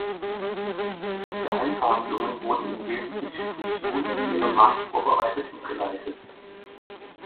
Die Geheimverhandlungen wurden im Wesentlichen durch Juul und ihren Mann vorbereitet und geleitet.